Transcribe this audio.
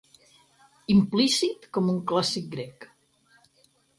Implícit com un clàssic grec.